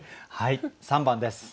３番です。